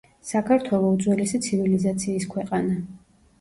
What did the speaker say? საქართველო უძველესი ცივილიზაციის ქვეყანა.